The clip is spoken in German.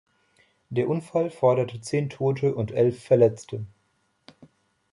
Der Unfall forderte zehn Tote und elf Verletzte.